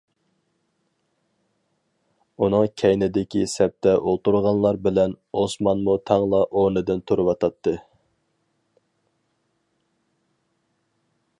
ئۇنىڭ كەينىدىكى سەپتە ئولتۇرغانلار بىلەن ئوسمانمۇ تەڭلا ئورنىدىن تۇرۇۋاتاتتى.